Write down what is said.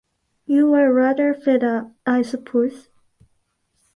You were rather fed up, I suppose?